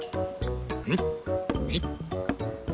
うんはいっ。